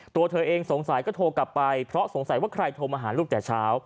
ตัวเธอเองสงสัยก็โทรกลับไปเพราะสงสัยว่าใครโทรมาหาลูกแต่เช้า